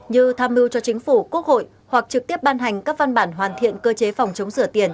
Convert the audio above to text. như tham mưu cho chính phủ quốc hội hoặc trực tiếp ban hành các văn bản hoàn thiện cơ chế phòng chống rửa tiền